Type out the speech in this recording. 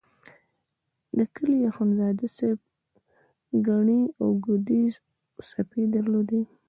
د کلي اخندزاده صاحب ګڼې او اوږدې څڼې درلودې.